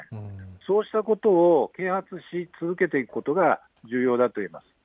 そうしたことを啓発し続けていくことが重要だといえます。